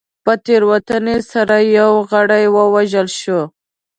په تېروتنې سره یو غړی ووژل شو.